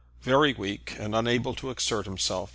"Very weak and unable to exert himself.